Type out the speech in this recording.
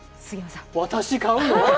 私、買うの？